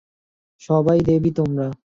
সবাই দেবী তোমরা।